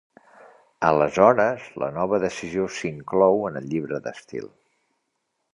Aleshores, la nova decisió s'inclou en el llibre d'estil.